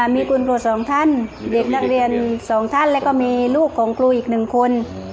มีคุณครูสองท่านเด็กนักเรียน๒ท่านแล้วก็มีลูกของครูอีก๑คน